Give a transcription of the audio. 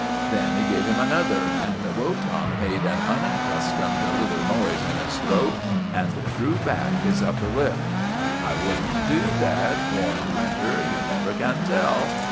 Then he gave him another, and Wotan made an unaccustomed little noise in his throat and drew back his upper lip. " I would n't do that," warned Winter. " You never can tell."